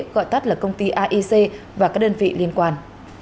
gọi tắt là công ty aic và các đơn vị liên quan